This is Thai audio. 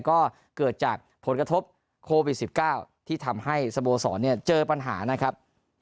ก็เกิดจากผลกระทบโควิด๑๙ที่ทำให้สโมสรเจอปัญหานะครับ